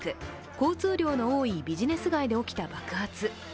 交通量の多いビジネス街で起きた爆発。